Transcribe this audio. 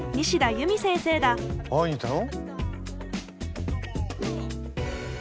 会いに行ったの？